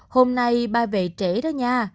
hôm nay ba về trễ đó nha